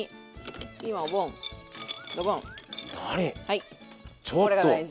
はいこれが大事。